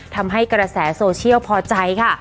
ทำให้กระแสโซเชียลพอใจค่ะ